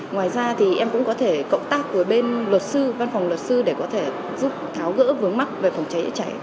ngoài ra thì em cũng có thể cộng tác với bên luật sư văn phòng luật sư để có thể giúp tháo gỡ vướng mắt về phòng cháy chữa cháy